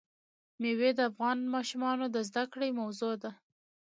مېوې د افغان ماشومانو د زده کړې موضوع ده.